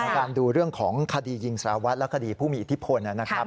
การดูเรื่องของคดียิงสารวัตรและคดีผู้มีอิทธิพลนะครับ